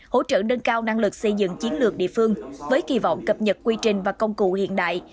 hỗ trợ nâng cao năng lực xây dựng chiến lược địa phương với kỳ vọng cập nhật quy trình và công cụ hiện đại